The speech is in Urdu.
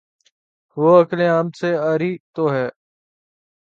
وہ عقل عام سے عاری تو ہے۔